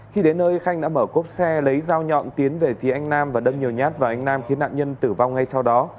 khi đến nơi khanh đã mở cốp xe lấy dao nhọn tiến về phía anh nam và đâm nhiều nhát vào anh nam khiến nạn nhân tử vong ngay sau đó